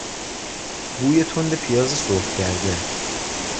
بوی تند پیاز سرخ کرده